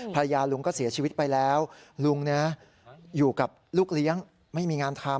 ภรรยาลุงก็เสียชีวิตไปแล้วลุงอยู่กับลูกเลี้ยงไม่มีงานทำ